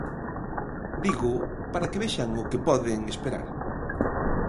Dígoo para que vexan o que poden esperar.